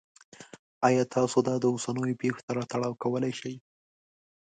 ایا تاسو دا د اوسنیو پیښو سره تړاو کولی شئ؟